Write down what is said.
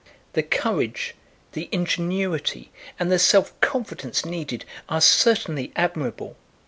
"The courage, the ingenuity, and the self confidence needed are certainly admirable.